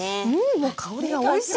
もう香りがおいしい！